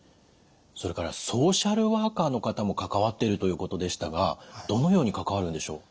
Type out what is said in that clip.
それからソーシャルワーカーの方も関わってるということでしたがどのように関わるんでしょう？